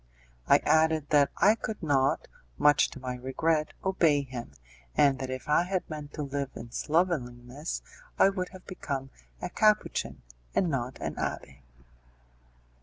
I added that I could not, much to my regret, obey him, and that if I had meant to live in slovenliness, I would have become a Capuchin and not an abbé.